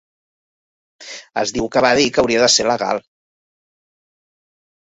Es diu que va dir que hauria de ser legal.